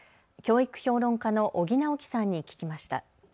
教育評論家の尾木直樹さんに聞きました。